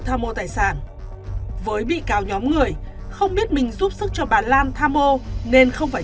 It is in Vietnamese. tha mua tài sản với bị cáo nhóm người không biết mình giúp sức cho bà lan tha mua nên không phải